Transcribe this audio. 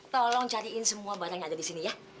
tolong cariin semua barang yang ada di sini ya